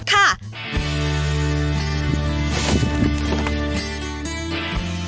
สำเร็จ